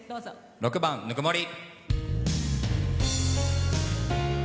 ６番「ぬくもり」。